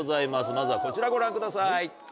まずはこちらご覧ください。